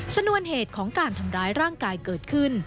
ชนวนเหตุของการทำร้ายร่างกายเกิดขึ้น